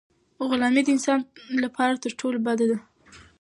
غلامي د انسان لپاره تر ټولو بده ده.